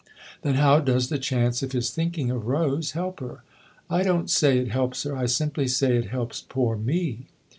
"Then how does the chance of his thinking of Rose help her ?"" I don't say it helps her. I simply say it helps poor me."